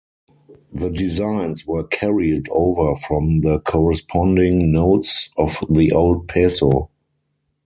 The designs were carried over from the corresponding notes of the old peso.